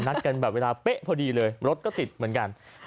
นัดกันแบบเวลาเป๊ะพอดีเลยรถก็ติดเหมือนกัน